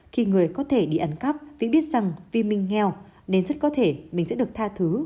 khi người có thể đi ăn cắp vĩ biết rằng vì mình nghèo nên rất có thể mình sẽ được tha thứ